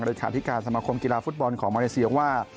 หรือขาดที่การสมคมกีฬาฟุตบอลของมาเลเซียว่า